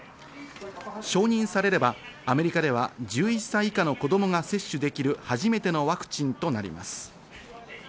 承認されれば、アメリカでは１１歳以下の子供が接種できる初めてのワクチンとなります。